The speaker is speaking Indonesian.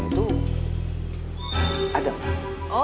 tuh ada mah